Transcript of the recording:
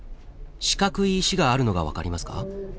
四角い石があるのが分かりますか？